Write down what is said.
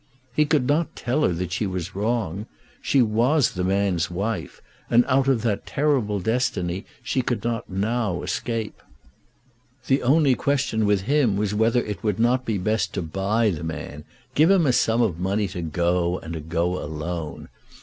He could not tell her that she was wrong. She was the man's wife, and out of that terrible destiny she could not now escape. The only question with him was whether it would not be best to buy the man, give him a sum of money to go, and to go alone.